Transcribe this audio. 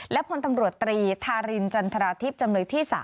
และพลตำรวจตรีธารินจันทราทิพย์จำเลยที่๓